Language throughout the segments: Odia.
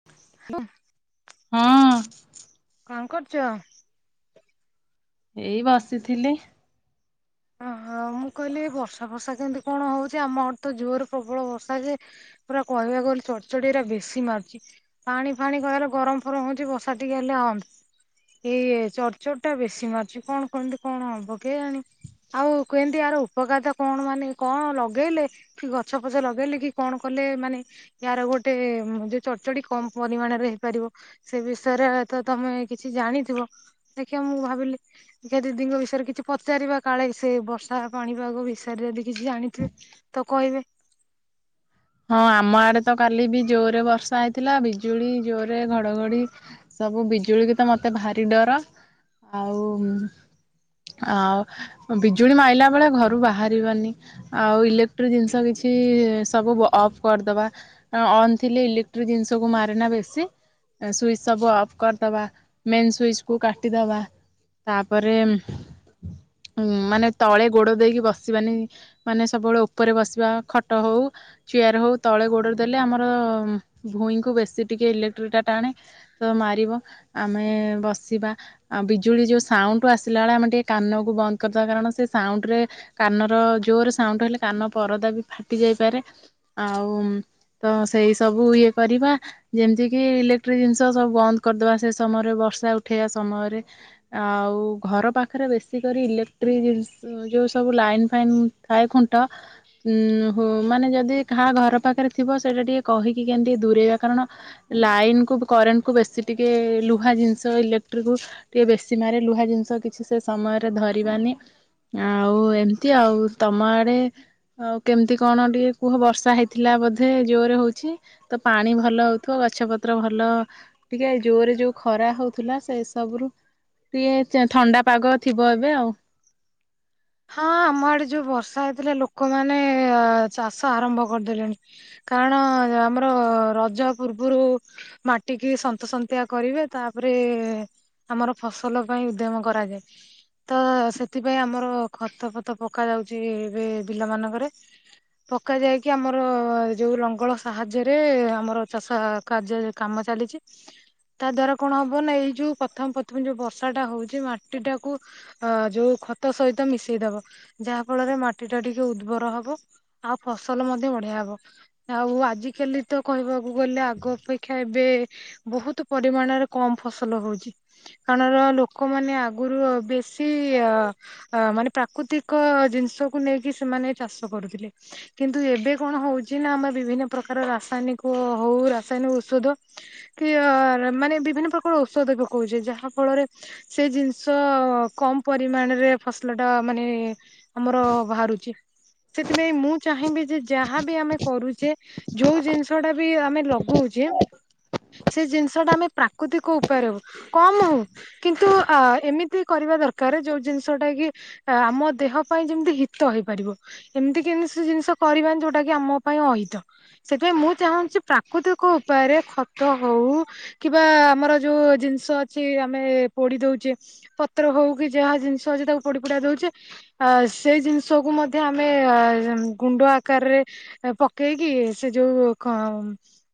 [unintelligible] ହଁ। କଣ କରୁଛ? ଏଇ ବସିଥିଲି। ଓହୋ ମୁଁ କହିଲି ଏ ବର୍ଷା ଫର୍ଷା କେମିତି କଣ ହଉଛି ଆମ ଆଡ଼େ ତ ଜୋରରେ ପ୍ରବଳ ବର୍ଷା ଯେ ପୁରା କହିବାକୁ ଗଲେ ଚଡଚଡି ରା ବେଶୀ ମାରୁଛି। ପାଣି ଫାଣି କହିଲେ ଗରମ ଫରମ ହଉଛି ବର୍ଷା ଟିକେ ହେଲେ ହନ୍ତା। ଏଇ ଚଡଚଡି ଟା ବେଶୀ ମାରୁଛି କଣ କେମିତି କଣ ହବ କେଜାଣି। ଆଉ କେନ୍ତି ଆର ଉପକାରିତା କଣ ମାନେ କଣ ଲଗେଇଲେ? କି ଗଛ ଫଛ ଲଗେଇଲେ କି କଣ କଲେ ମାନେ। ଏହାର ଗୋଟେ ଯେ ଚଢଚଡି କମ ପରିମାଣରେ ହେଇପାରିବ। ସେ ବିଷୟରେ ତ ତମେ କିଛି ଜାଣିଥିବ? ଦେଖିବା ମୁଁ ଭାବିଲି ଦିଦିଙ୍କ ବିଷୟରେ କିଛି ପଚାରିବା। କାଳେ ସେ ବର୍ଷା ପାଣିପାଗ ବିଷୟରେ ଯଦି କିଛି ଜାଣିଥିବେ ତ କହିବେ? ହଁ ଆମ ଆଡେ ତ କାଲି ବି ଜୋରେ ବର୍ଷା ହେଇଥିଲା ବିଜୁଳି ଜୋରରେ ଘଡଘଡି। ସବୁ ବିଜୁଳିକୁ ତ ମତେ ଭାରି ଡର ଆଉ ଆଉ ବିଜୁଳି ମାଇଲା ବେଳେ ଘରୁ ବାହାରିବାନି। ଆଉ ଇଲେକ୍ଟ୍ରିକ ଜିନିଷ କିଛି ସବୁ ବ ଅଫ୍ କରିଦବା, ଅନ୍ ଥିଲେ ଇଲେକ୍ଟ୍ରିକ ଜିନିଷକୁ ମାରେନା ବେଶୀ। ସୁଇଚ ସବୁ ଅଫ୍ କରିଦେବା ମେନ୍ ସୁଇଚକୁ କାଟିଦେବା। ତାପରେ ଉ ମାନେ ତଳେ ଗୋଡ ଦେଇକି ବସିବାନି ମାନେ ସବୁବେଳେ ଉପରେ ବସିବା ଖଟ ହଉ ଚେୟାର ହେଉ ତଳେ ଗୋଡ଼ରେ ଦେଲେ ଆମର ଭୁଇଁଙ୍କୁ ବେଶୀ ଟିକେ ଇଲେକ୍ଟ୍ରିଟା ଟାଣେ। ତ ମାରିବ ଆମେ ବସିବା। ଆଉ ବିଜୁଳି ଯୋଉ ସାଉଣ୍ଡୁ ଆସିଲା ବେଳେ ଆମେ ଟିକେ କାନକୁ ବନ୍ଦ କରିଦବା କାରଣ ସେ ସାଉଣ୍ଡ ରେ କାନର ଜୋରରେ ସାଉଣ୍ଡ ହେଲେ କାନ ପରଦା ବି ଫାଟି ଯାଇପାରେ ଆଉ ତ ସେଇ ସବୁ ଇଏ କରିବା। ଯେମିତି କିି ଇଲେକ୍ଟ୍ରିକି ଜିନିଷ ସବୁ ବନ୍ଦ କରିଦବା ସେ ସମୟରେ ବର୍ଷା ଉଠେଇବା ସମୟରେ। ଆଉ ଘର ପାଖରେ ବେଶୀ କରି ଇଲେକ୍ଟ୍ରି ଯୋଉ ସବୁ ଲାଇନ୍ ଫାଇନ୍ ଥାଏ ଖୁଣ୍ଟ ଉଁ ହ ମାନେ ଯଦି କାହା ଘର ପାଖରେ ଥିବ ସେଇଟା ଟିକେ କହିକି କେମିତି ଦୂରେଇବା କାରଣ ଲାଇନ୍କୁକୁ କରେଣ୍ଟକୁ ବେଶୀ ଟିକେ ଲୁହା ଜିନିଷ ଇଲେକ୍ଟ୍ରିକକୁ। ଟିକେ ବେଶୀ ମାରେ ଲୁହା ଜିନିଷ କିଛି ସେ ସମୟରେ ଧରିବାନି। ଆଉ ଏମିତି ଆଉ ତମ ଆଡେ ଆଉ କେମିତି କଣ ଟିକେ କୁହ ବର୍ଷ ବର୍ଷା ହେଇଥିଲା ବୋଧେ ଜୋରେ ହେଉଛି ତ ପାଣି ଭଲ ହେଉଥିବ ଗଛପତ୍ର ଭଲ ଟିକେ ଜୋରେ ଯୋଉ ଖରା ହଉଥିଲା ସେ ସବୁ ରୁ ସିଏ ଚେ ଥଣ୍ଡା ପାଗ ଥିବ ଏବେ ଆଉ। ହଁ ଆମ ଆଡେ ଯୋଉ ବର୍ଷା ହେଇଥିଲା ଲୋକମାନେ ଚାଷ ଆରମ୍ଭ କରିଦେଲେଣି। କାରଣ ଆମର ରଜ ପୂର୍ବରୁ ମାଟିିକି ସନ୍ତସନ୍ତିଆ କରିବେ ତାପରେ ଆମର ଫସଲ ପାଇଁ ଉଦ୍ୟମ କରାଯାଏ ତ ସେଥିପାଇଁ ଆମର ଖତ ଫତ ପକା ଯାଉଛି ଏବେ ବି ଲ ମାନଙ୍କରେ। ପକା ଯାଇକି ଆମର ଯୋଉ ଲଙ୍ଗଳ ସାହାଯ୍ୟରେ ଆମର ଚାଷ ଆମ୍ଭ କାର୍ଯ୍ୟରେ କାମ ଚାଲିଛି। ତା ଦ୍ଵାରା କଣ ହବ ନା ଏଇ ଯୋଉ ପ୍ରଥମେ ପ୍ରଥମେ ଯୋଉ ବର୍ଷା ଟା ହଉଛି ମାଟି ଟାକୁ ଅ ଯୋଉ ଖତ ସହିତ ମିଶେଇଦବ ଯାହା ଫଳରେ ମାଟି ଟା ଟିକେ ଉର୍ବର ହବ। ଆଉ ଫସଲ ମଧ୍ୟ ବଢିଆ ହବ। ଆଉ ଆଜିକାଲି ତ କହିବାକୁ ଗଲେ ଆଗ ଅପେକ୍ଷା ଏବେ ବହୁତ ପରିମାଣରେ କମ ଫସଲ ହଉଛି କାରଣ ଲୋକମାନୋନ ଆଗରୁ ବ ବେଶୀ ଅ ମାନେ ପ୍ରାକୃତିକ ଜିନିଷକୁ ନେଇକି ସେମାନେ ଚାଷ କରୁଥିଲେ। କିନ୍ତୁ ଏବେ କଣ ହଉଛି ନା ଆମେ ବିଭିନ୍ନ ପ୍ରକାର ରାସାୟନିକ ହଉ ରାସାୟନିକ ଔଷଧ କି ଅ ମାନେ ବିଭିନ୍ନ ପ୍ରକାର ଔଷଧ ପକଉଛେ ଯାହା ଫଳରେ ସେ ଜିନିଷ କମ ପରିମାଣରେ ମସଲାଟା ମାନେ ଆମର ବାହାରୁଛି। ସେଥିପାଇଁ ମୁଁ ଚାହିଁବି ଯେ ଯାହାବି ଆମେ କରୁଛେ ଯୋଉ ଜିନିଷ ଟା ବି ଆମେ ଲଗଉଛେ। ସେ ଜିନିଷଟା ଆମେ ପ୍ରାକୃତିକ ଉପରେ ହଉ କମ ହଉ। କିନ୍ତୁ ଆ ଏମିତି କରିବା ଦରକାର ଯୋଉ ଜିନିଷ ଯୋଉଟା କି ଆମ ଦେହ ପାଇଁ ଯେମିତି ହିତ ହେଇପାରିବ। ଏମିତି କେମତି ସେ ଜିନିଷ କରିବାନି ଯୋଉଟା କିି ଆମ ପାଇଁ ଅହିତ। ସେଥିପାଇଁ ମୁଁ ଚାହୁଁଛି ପ୍ରାକୃତିକ ଉପାୟରେ ଖତ ହଉ କିବା ଆମର ଯୋଉ ଜିନିଷ ଅଛି ଆମେ ପୋଡି ଦଉଛେ ପତ୍ର ହଉ କି ଯାହା ଜିନିଷ ଅଛି ତାକୁ ପୋଡି ପୋଡା ଦଉଛେ ଆଉ ସେଇ ଜିନିଷକୁ ମଧ୍ୟ ଆମେ ଗୁଣ୍ଡ ଆକାରରେ ପକେଇକି ସେ ଯୋଉ ଙ୍କ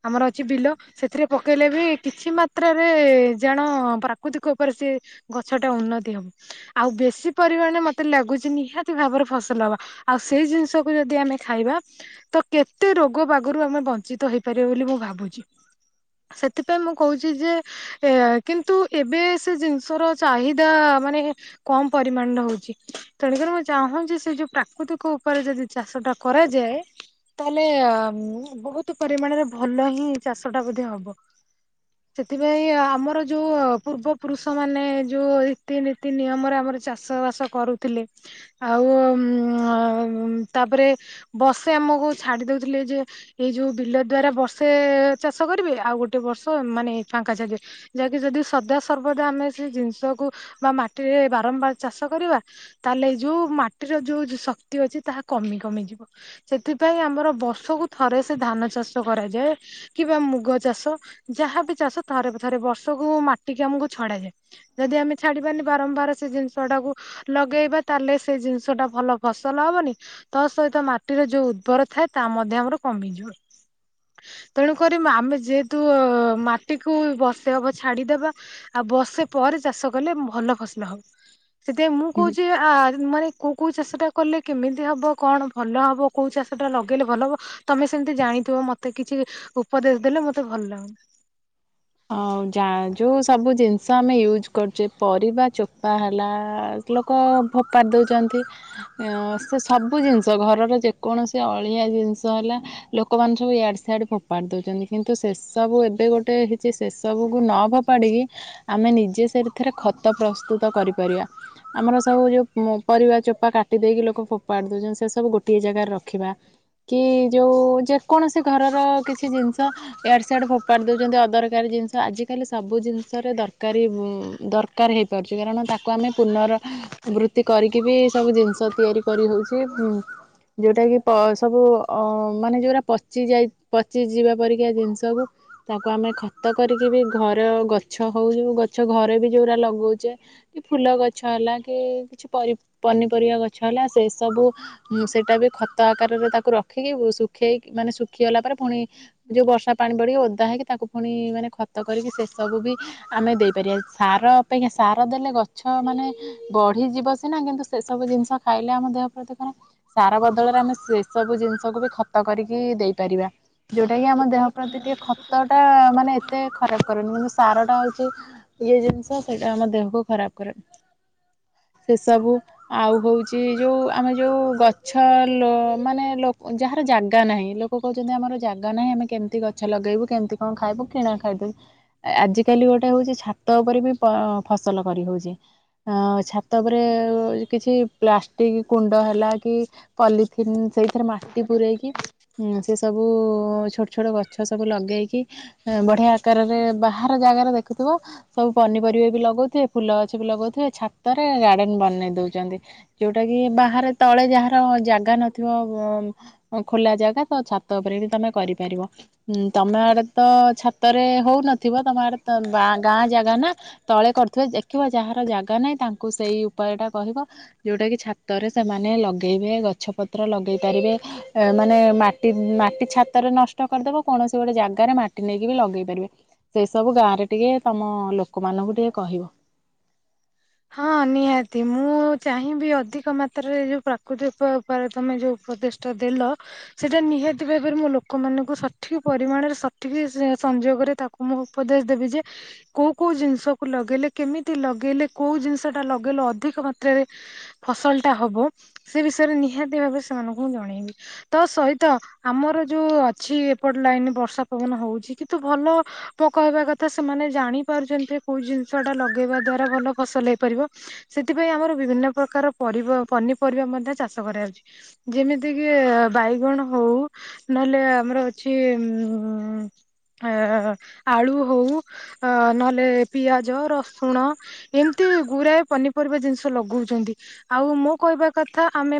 ଆମର ଅଛି ବିଲ ସେଥିରେ ପକେଇଲେ ବି କିଛି ମାତ୍ରାରେ ଜାଣ ପ୍ରାକୃତିକ ଉପରେ ସିଏ ଗଛ ଟା ଉନ୍ନତି ହବ ଆଉ ବେଶୀ ପରିମାଣରେ ମତେ ଲାଗୁଚି ନିହାତି ଭାବରେ ଫସଲ ହବ ଆଉ ସେଇ ଜିନିଷକୁ ଯଦି ଆମେ ଖାଇବା ତ କେତେ ରୋଗ ବାଗରୁ ଆମେ ବଂଞ୍ଚିତ ହେଇପାରିବା ବୋଲି ମୁଁ ଭାବୁଛି। ସେଥିପାଇଁ ମୁଁ କହୁଛି ଯେ ଏ କିନ୍ତୁ ଏବେ ସେ ଜିନିଷର ଚାହିଦା ମାନେ କମ ପରିମାଣରେ ହଉଛି, ତେଣୁକରି ମୁଁ ଚାହୁଁଛି ଯେ ସେ ଯୋଉ ପ୍ରାକୃତିକ ଉପରେ ଯଦି ଚାଷ ଟା କରାଯାଏ ତାହେଲେ ବହୁତ ପରିମାଣରେ ଭଲ ହିଁ ଚାଷ ଟା ବୋଧେ ହବ। ସେଥିପାଇଁ ଆମର ଯୋଉ ପୂର୍ବ ପୁରୁଷ ମାନେ, ଯୋଉ ରୀତି ନୀତି ନିୟମ ଆମେ ଆମର ଚାଷ ବାସ କରୁଥିଲେ ଆଉ ତାପରେ ବସେ ଆମକୁ ଛାଡି ଦଉଥିଲେ ଯେ ଏଇ ଯୋଉ ବିଲ ଦ୍ଵାରା ବର୍ଷେ ଚାଷ କରିବେ ଆଉ ଗୋଟେ ବର୍ଷ ମାନେ ଫାଙ୍କା ଛାଡ଼ିବେ ଯାହାକି ଯଦି ସଦା ସର୍ବଦା ଆମେ ସେ ଜିନିଷକୁ ବା ମାଟି ରେ ବାରମ୍ବାର ଚାଷ କରିବା ତାହେଲେ ଯୋଉ ମାଟିର ଯୋଉ ଶକ୍ତି ଅଛି ତାହା କମି କମିଯିବ, ସେଥିପାଇଁ ଆମର ବର୍ଷକୁ ଥରେ ସେ ଧାନ ଚାଷ କରାଯାଏ। କିମ୍ବା ମୁଗ ଚାଷ ଯାହାବି ଚାଷ ଥରେ ଥରେ ବର୍ଷକୁ ମାଟିିକି ଆମକୁ ଛଡାଯାଏ। ଯଦି ଆମେ ଛାଡ଼ିବାନି ବାରମ୍ବାର ସେ ଜିନିଷ ଟାକୁ ଲଗେଇବା ତାହେଲେ ସେ ଜିନିଷ ଟା ଭଲ ଫସଲ ହବନି ତା ସହିତ ମାଟିର ଯୋଉ ଉର୍ବର ଥାଏ ତା ମଧ୍ୟ ଆମର କମିଯିବ। ତେଣୁ କରି ଆମେ ଯେହେତୁ ମାଟିକୁ ବର୍ଷେ ହବ ଛାଡିଦବା। ଆଉ ବର୍ଷେ ପରେ ଚାଷ କଲେ ଭଲ ଫସଲ ହଵ, ସେଥିପାଇଁ ମୁଁ କହୁଛି ଆ ମାନେ କେଉଁ କେଉଁ ଚାଷଟା କଲେ କେମିତି ହେବ କଣ ଭଲ ହେବ କେଉଁ ଚାଷଟା ଲଗେଇଲେ ଭଲ ହେବ ତମେ ସେମିତି ଜାଣିଥିବ ମତେ କିଛି ଉପଦେଶ ଦେଲେ ମତେ ଭଲ ଲାଗନ୍ତା। ଆଉ ଯା ଯୋଉ ସବୁ ଜିନିଷ ଆମେ ୟୁଜ କରୁଛେ, ପରିବା ଚୋପା ହେଲା ଲୋକ ଫୋପାଡି ଦେଉଛନ୍ତି। ଅ ସେ ସବୁ ଜିନିଷ, ଘରର ଯେକୌଣସି ଅଳିଆ ଜିନିଷ ହେଲା ଲୋକମାନେ ସବୁ ଇଆଡେ ସିଆଡେ ଫୋପାଡି ଦଉଛନ୍ତି, କିନ୍ତୁ ସେ ସବୁ ଏବେ ଗୋଟେ ଯେ ସେସବୁକୁ ନ ଫୋପାଡ଼ିକି ଆମେ ନିଜେ ସେଥିରେ ଖତ ପ୍ରସ୍ତୁତ କରିପାରିବା। ଆମର ସବୁ ଯୋଉ ପରିବା ଚୋପା କାଟି ଦେଇକି ଲୋକ ଫୋପାଡି ଦଉଛନ୍ତି ସେ ସବୁ ଗୋଟିଏ ଜାଗାରେ ରଖିବା। କି ଯୋଉ ଯେକୌଣସି ଘରର କିଛି ଜିନିଷ ଇଆଡେ ସିଆଡେ ଫୋପାଡି ଦଉଛନ୍ତି, ଅଦର ଦରକାରୀ ଜିନିଷ ଆଜିକାଲି ସବୁ ଜିନିଷରେ ଦରକାରୀ ଦରକାର ହେଇପାରୁଛି କାରଣ ତାକୁ ଆମେ ପୁନର୍ ବୃତ୍ତି କରିକିବି ସବୁ ଜିନିଷ ତିଆରି କରି ହଉଛି ଯୋଉଁଟା କି ପ ସବୁ ଅ ମାନେ ଯୋଉଟା ପଚି ଯାଇ ପଚିଯିବା ପରିକା ଜିନିଷକୁ ତାକୁ ଆମେ ଖତ କରିକି ବି ଘରେ ଗଛ ହଉ ଗଛ ଘରେ ବି ଯୋଉଟା ଲଗଉଛେ କି ଫୁଲ ଗଛ ହେଲା କି କିଛି ପନିପରିବା ଗଛ ହେଲା ସେ ସବୁ ସେଇଟା ବି ଖତ ଆକାରରେ ତାକୁ ରଖିକି ଶୁଖେଇକି ମାନେ ଶୁଖିଗଲା ପରେ ପୁଣି ଯୋଉ ବର୍ଷା ପାଣି ପଡିକି ଓଦା ହେଇକି ତାକୁ ପୁଣି ମାନେ ଖତ କରିକି ଶେଷବୁ ବି ଆମେ ଦେଇପାରିବା ସାର ଅପେକ୍ଷା ସାର ଦେଲେ ଗଛ ମାନେ ବଢ଼ିଯିବ ସିନା କିନ୍ତୁ ସେସବୁ ଜିନିଷ ଖାଇଲେ ଆମ ଦେହ ପ୍ରତି ଖରାପ୍। ସାର ବଦଳରେ ଆମେ ସେସବୁ ଜିନିଷକୁ ବି ଖତ କରିକି ଦେଇପାରିବା। ଯୋଉଟା କି ଆମ ଦେହ ପ୍ରତି ଟିକେ ଖତ ଟା, ମାନେ ଏତେ ଖରାପ କରୁନି କି ସାର ଟା ହଉଛି ଇଏ ଜିନିଷ, ସେଇଟା ଆମ ଦେହକୁ ଖରାପ କରେ, ସେ ସବୁ ଆଉ ହଉଛି ଯୋଉ ଆମେ ଯୋଉ ଗଛ ମାନେ ଲ, ଯାହାର ଜାଗା ନାହିଁ କ କହୁଛନ୍ତି ଆମର ଜାଗା ନାହିଁ ଆମେ କେମିତି ଗଛ ଲଗେଇବୁ କେମିତି କଣ ଖାଇବୁ କିଣା ଖାଇଦବୁ। ଆଜିକାଲି ଗୋଟେ ହଉଛି ଛାତ ଉପରେ ବି ଫସଲ କରି ହଉଛି। ଛାତ ଉପରେ କିଛି ପ୍ଲାଷ୍ଟିକ୍ କୁଣ୍ଡ ହେଲା କି ପଲିଥିନ୍ ସେଇ ଏଥିରେ ମାଟି ପୂରେଇକି ସେ ସବୁ ଛୋଟ ଛୋଟ ଗଛ ସବୁ ଲଗେଇକି ବଢିଆ ଆକାରରେ ବାହାର ଜାଗାରେ ଦେଖୁଥିବ ସବୁ ପନିପରିବା ବି ଲଗଉଥିବେ, ଫୁଲ ଗଛ ବି ଲଗଉଥିବେ, ଛାତରେ ଗାର୍ଡେନ ବନେଇ ଦଉଛନ୍ତି। ଯୋଉଟା କି ବାହାରେ, ତଳେ ଯାହାର ଜାଗା ନଥିବ ଖୋଲା ଜାଗା ତ ଛାତ ଉପରେ ବି ତମେ କରିପାରିବ, ତମେ ଆଡେ ତ ଛାତରେ ହଉନଥିବ, ତମର ଆଡେ ତ ଗାଁ ଜାଗା ନା। ତଳେ କରୁଥିବେ ଦେଖିବ ଯାହାର ଜାଗା ନାହିଁ ତାଙ୍କୁ ସେଇ ଉପାୟ ଟା କହିବ। ଯୋଉଟା କି ଛାତରେ ସେମାନେ ଲଗେଇବେ, ଗଛ ପତ୍ର ଲଗେଇ ପାରିବେ। ମାନେ ମାଟି, ମାଟି ଛାତରେ ନଷ୍ଟ କରିଦବ କୌଣସି ଗୋଟେ ଜାଗାରେ ମାଟି କଟି ନେଇକି ବି ଲଗେଇ ପାରିବେ ସେଇ ସବୁ ଗାଁ ରେ ଟିକେ ତମ ଲୋକମାନଙ୍କୁ ଟିକେ କହିବ। ହଁ ନିହାତି ମୁଁ ଚାହିଁବି ଅଧିକ ମାତ୍ରାରେ ଯୋଉ ପ୍ରାକୃତିକ ଉପରେ ତମେ ଯୋଉ ଉପଦେଶଷ୍ଟା ଦେଲ ସେଇଟା ନିହାତି ଭାବରେ ମୁଁ ଲୋକମାନଙ୍କୁ ସଠିକ ପରିମାଣରେ ସଠିକ ସଂଯୋଗରେ ତାକୁ ମୁଁ ଉପଦେଶ ଦେବି ଯେ କୋଉ କୋଉ ଜିନିଷକୁ ଲଗେଇଲେ କେମିତି ଲଗେଇଲେ କୋଉ ଜିନିଷ ଟା ଲଗେଇଲେ ଅଧିକ ମାତ୍ରାରେ ଫସଲ ଟା ହବ ସେ ବିଷୟରେ ନିହାତି ଭାବରେ ସେମାନଙ୍କୁ ମୁ ଜଣେଇବି। ତ ସହିତ ଆମର ଯୋଉ ଅଛି ଏପଟେ ଲାଇନ ବର୍ଷା ପବନ ହଉଛି କିନ୍ତୁ ଭଲ ପୋକହବା କଥା ସେମାନେ ଜାଣି ପାରୁଛନ୍ତି କୋଉ ଜିନିଷ ଟା ଲଗେଇବା ଦ୍ଵାରା ଭଲ ଫସଲ ହେଇପାରିବ ସେଥିପାଇଁ ଆମର ବିଭିନ୍ନ ପ୍ରକାର ପରିବା ପନିପରିବା ମଧ୍ୟ ଚାଷ କରାଯାଉଛି। ଯେମିତି କି ବାଇଗଣ ହଉ ନହେଲେ ଆମର ଅଛି ଉ ଅ ଆଳୁ ହଉ ନହେଲେ ପିଆଜ ରସୁଣ ଏମତି ଗୁୁରାଏ ପନିପରିବା ଜିନିଷ ଲଗଉଛନ୍ତି ଆଉ ମୋ କହିବା କଥା ଆମେ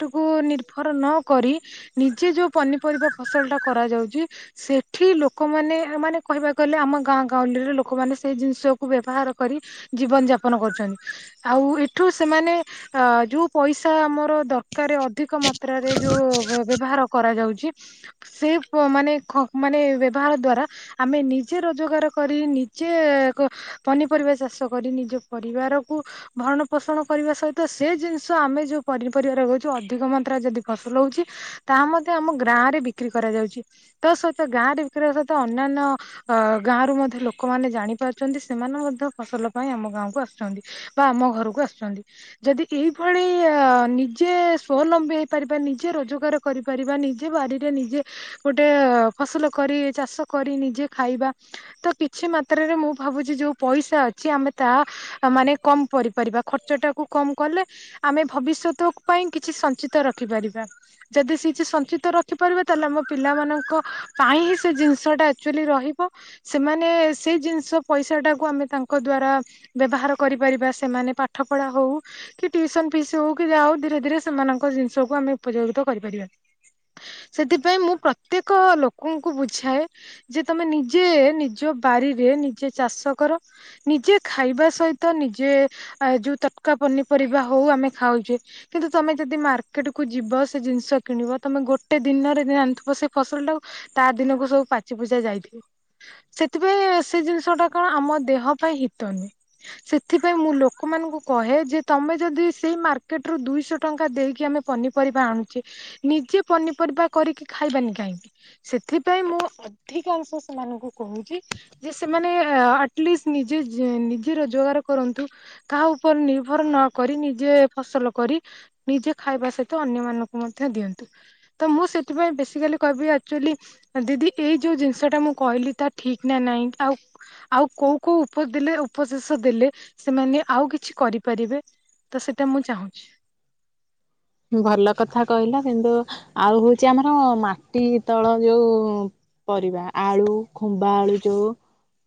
ଟକୁ ନିର୍ଭର ନ କରି ନିଜେ ଯୋଉ ପନିପରିବା ଫସଲ ଟା କରାଯାଉଛି ସେଠି ଲୋକମାନେ ମାନେ କହିବାକୁ ଗଲେ ଆମ ଗାଁ ଗାଉଁଳିରେ ଲୋକମାନେ ସେଇ ଜିନିଷକୁ ବ୍ୟବହାର କରି ଜୀବନ ଯାପନ କରୁଛନ୍ତି ଆଉ ଏଠୁ ସେମାନେ ଅ ଯୋଉ ପଇସା ଆମର ଦରକାର ଅଧିକ ମାତ୍ରାରେ ଯୋଉ ବ୍ୟବହାର କରାଯାଉଛି ସେ ମାନେ ମାନେ ବ୍ୟବହାର ଦ୍ଵାରା ଆମେ ନିଜେ ରୋଜଗାର କରି ନିଜେ ପନିପରିବା ଚାଷ କରି ନିଜ ପରିବାରକୁ ଭରଣ ପୋଷଣ କରିବା ସହିତ ସେ ଜିନିଷ ଆମେ ଯୋଉ ପନିପରିବା ରହୁଛୁ ଅଧିକ ମାତ୍ରାରେ ଯଦି ଫସଲ ହଉଛି ତାହା ମଧ୍ୟ ଆମ ଗାଁ ରେ ବିକ୍ରି କରାଯାଉଛି ତା ସହିତ ଗାଁ ରେ ବିକ୍ରୀ ସହିତ ଅନ୍ୟାନ୍ୟ ଅ ଗାଁ ରରୁ ମଧ୍ୟ ଲୋକମାନେ ଜାଣିପାରୁଛନ୍ତି ସେମାନେ ମଧ୍ୟ ଫସଲ ପାଇଁ ଆମ ଗାଁ କୁ ଆସୁଛନ୍ତି ବା ଆମ ଘରକୁ ଆସୁଛନ୍ତି। ଯଦି ଏଇଭଳି ଅ ନିଜେ ସ୍ୱଲମ୍ବୀ ହେଇପାରିବା ନିଜେ ରୋଜଗାର କରିପାରିବା ନିଜେ ବାରିରେ ନିଜେ ଗୋଟେ ଫସଲ କରି ଚାଷ କରି ନିଜେ ଖାଇବା ତ କିଛି ମାତ୍ରରେ ମୁଁ ଭାବୁଛି ଯୋଉ ପଇସା ଅଛି ଆମେ ତାହା ମାନେ କମ କରିପାରିବା ଖର୍ଚ୍ଚ ଟାକୁ କମ କଲେ ଆମେ ଭବିଷ୍ୟତ ପାଇଁ କିଛି ସଞ୍ଚିତ ରଖିପାରିବା। ଯଦି ସେ କି ସଞ୍ଚିତ ରଖିପାରିବେ ତାହେଲେ ଆମ ପିଲାମାନଙ୍କ ପାଇଁ ହିଁ ସେ ଜିନିଷଟା ଆକ୍ଚୁଲି ରହିବ ସେମାନେ ସେଇ ଜିନିଷ ପଇସା ଟାକୁ ଆମେ ତାଙ୍କ ଦ୍ଵାରା ବ୍ୟବହାର କରିପାରିବା ସେମାନେ ପାଠ ପଢା ହଉ କି ଟ୍ୟୁସନ ଫିସ୍ ହଉ କି ଯାହା ହଉ ଧୀରେ ଧୀରେ ସେମାନଙ୍କ ଜିନିଷକୁ ଆମେ ଉପଯୋଗିତା କରିପାରିବା। ସେଥିପାଇଁ ମୁଁ ପ୍ରତ୍ୟେକ ଲୋକଙ୍କୁ ବୁଝାଏ ଯେ ତମେ ନିଜେ ନିଜ ବାରିରେ ନିଜେ ଚାଷ କର ନିଜେ ଖାଇବା ସହିତ ନିଜେ ଯୋଉ ତଟକା ପନିପରିବା ହଉ ଆମେ ଖାଉଛେ କିନ୍ତୁ ତମେ ଯଦି ମାର୍କେଟ କୁ ଯିବ ସେ ଜିନିଷ କିଣିବ ତମେ ଗୋଟେ ଦିନରେ ଆଣିଥିବ ସେ ଫସଲ ଟାକୁ ତା ଦିନକୁ ସବୁ ପାଚି ପୂଚା ଯାଇଥିବ ସେଥିପାଇଁ ସେ ଜିନିଷ ଟା କଣ ଆମ ଦେହ ପାଇଁ ହିତ ନୁହଁ। ସେଥିପାଇଁ ମୁଁ ଲୋକମାନଙ୍କୁ କହେ ଯେ ତମେ ଯଦି ସେଇ ମାର୍କେଟ ରୁ ଦୁଇଶହ ଟଙ୍କା ଦେଇକି ଆମେ ପନିପରିବା ଆଣୁଛିେ ନିଜେ ପନିପରିବା କରିକି ଖାଇବାନି କାହିଁକି? ସେଥିପାଇଁ ମୁଁ ଅଧିକାଂଶ ସେମାନଙ୍କୁ କହୁଛି ଯେ ସେମାନେ ଆଟଲିଷ୍ଟ ନିଜେ ନିଜେ ରୋଜଗାର କରନ୍ତୁ କାହା ଉପରେ ନିର୍ଭର ନ କରି ନିଜେ ଫସଲ କରି ନିଜେ ଖାଇବା ସହିତ ଅନ୍ୟ ମାନଙ୍କୁ ମଧ୍ୟ ଦିଅନ୍ତୁ ତ ମୁଁ ସେଥିପାଇଁ ବେସିକାଲି କହିବି ଅ ଆଚୁଲି ଦିଦି ଏଇ ଯୋଉ ଜିନିଷଟା ମୁଁ କହିଲି ତା ଠିକ ନା ନାହିଁ ଆଉ ଆଉ କୋଉ ଉପଦେଶ ଦେଲେ ସେମାନେ ଆଉ କି କରିପାରିବେ ତ ସେଇଟା ମୁଁ ଚାହୁଁଛି। ଭଲ କଥା କହିଲ କିନ୍ତୁ ଆଉ ହଉଛି ଆମର ମାଟି ତଳ ଯୋଉ ପରିବା ଆଳୁ ଖୁମ୍ବା ଆଳୁ ଯୋଉ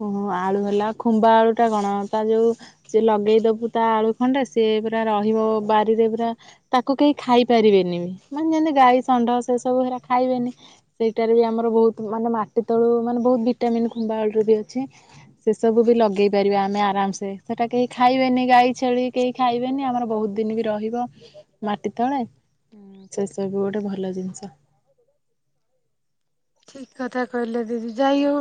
ଓହୋ ଆଳୁ ହେଲା ଖୁମ୍ବା ଆଳୁ ଟା କଣ ତା ଯୋଉ ସେ ଲଗେଇଦବୁ ତା ଆଳୁ ଖଣ୍ଡେ ସିଏ ପୁରା ରହିବ ବାରିରେ ପୁରା ତା କୁ କେହି ଖାଇ ପାରିବେନି ବି ମାନେ ଯେମିତି ଗାଈ ଷଣ୍ଢ ସେ ସବୁ ହେରା ଖାଇବେନି ସେଇଟାରେ ବି ଆମର ବହୁତ ମାନେ ମାଟି ତଳୁ ମାନେ ବହୁତ ଭିଟାମିିନ ଖୁମ୍ବା ବେଳରୁ ବି ଅଛି ସେ ସବୁ ବି ଲଗେଇ ପାରିବା ଆମେ ଆରାମସେ ସେଟା କେହି ଖାଇବେନି ଗାଈ ଛେଳି କେହି ଖାଇବେନି ଆମର ବହୁତ ଦିନ ବି ରହିବ। ମାଟି ତଳେ ସେ ସବୁ ଗୋଟେ ଭଲ ଜିନିଷ ଠିକ କଥା କହିଲେ ଦିଦି ଯାଇ ହଉ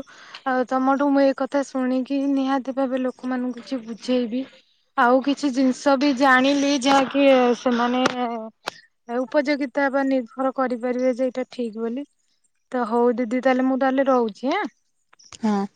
ଆଉ ତମଠୁ ମୁଁ ଏ କଥା ଶୁଣିକି ନିହାତି ଭାବେ ଲୋକମାନଙ୍କୁ କିଛି ବୁଝେଇବି ଆଉ କିଛି ଜିନିଷ ବି ଜାଣିଲି ଯାହାକି ସେମାନେ ଉପଯୋଗିତା ବା ନିର୍ଭର କରିପାରିବେ ଯେ ଏଇଟା ଠିକ ବୋଲି ତ ହଉ ଦିଦି ତାହେଲେ ମୁଁ ତାହେଲେ ରହୁଛି ହଁ ହଁ।